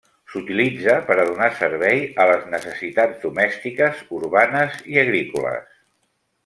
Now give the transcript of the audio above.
S'utilitza per a donar servei a les necessitats domèstiques, urbanes i agrícoles.